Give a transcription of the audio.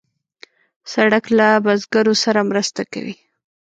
سړک له بزګرو سره مرسته کوي.